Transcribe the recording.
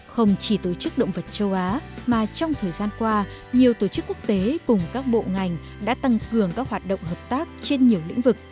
không chỉ tổ chức động vật châu á mà trong thời gian qua nhiều tổ chức quốc tế cùng các bộ ngành đã tăng cường các hoạt động hợp tác trên nhiều lĩnh vực